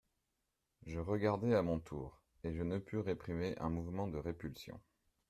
Je regardai à mon tour, et je ne pus réprimer un mouvement de répulsion.